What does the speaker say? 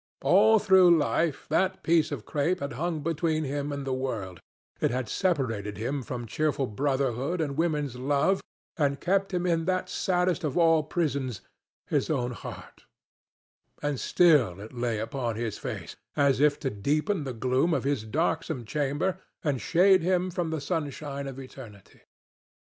All through life that piece of crape had hung between him and the world; it had separated him from cheerful brotherhood and woman's love and kept him in that saddest of all prisons his own heart; and still it lay upon his face, as if to deepen the gloom of his darksome chamber and shade him from the sunshine of eternity.